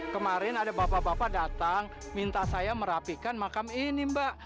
kemarin ada bapak bapak datang minta saya merapikan makam ini mbak